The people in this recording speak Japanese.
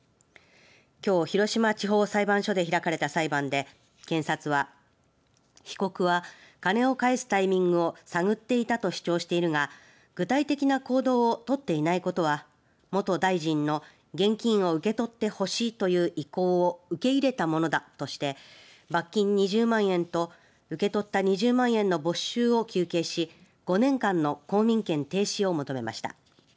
きょう広島地方裁判所で開かれた裁判で検察は被告は金を返すタイミングを探っていたと主張しているが具体的な行動を取っていないことは元大臣の現金を受け取ってほしいという意向を受け入れたものだとして罰金２０万円と受け取った２０万円の没収を求刑し５年間の公民権停止を求めました。